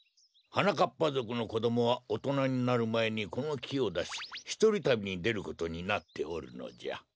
はなかっぱぞくのこどもはおとなになるまえにこのきをだしひとりたびにでることになっておるのじゃ。